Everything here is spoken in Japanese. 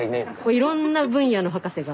いろんな分野の博士が。